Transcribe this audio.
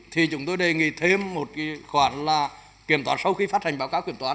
thì chúng tôi đề nghị thêm một khoản là kiểm toán sau khi phát hành báo cáo kiểm toán